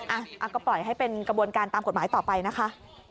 อ่ะก็ปล่อยให้เป็นกระบวนการตามกฎหมายต่อไปนะคะ